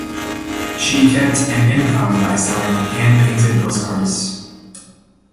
She kept an income by selling hand-painted postcards.